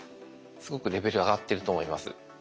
すごくレベル上がってると思います。